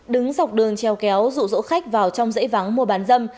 đứng dọc đường treo kéo rụ rỗ khách vào trong dãy vắng mua bán dâm